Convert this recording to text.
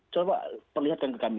coba perlihatkan ke kami